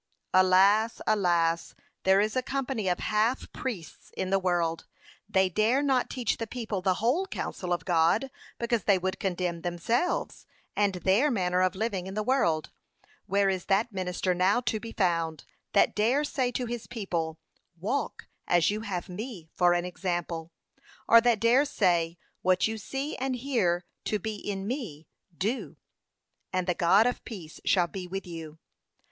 p. 529, 520. 'Alas! alas! there is a company of half priests in the world; they dare not teach the people the whole counsel of God, because they would condemn themselves, and their manner of living in the world: where is that minister now to be found, that dare say to his people, walk as you have me for an example, or that dare say, what you see and hear to be in me, do, and the God of peace shall be with you.'